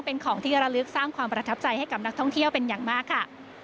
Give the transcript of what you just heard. เป็นของที่ระลึกสร้างความประทับใจให้กับนักท่องเที่ยวเป็นอย่างมากค่ะ